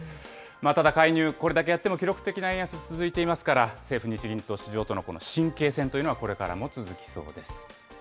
ただ、介入、これだけやっても記録的な円安続いていますから、政府・日銀と市場との神経戦というのはこれからも続きそうです。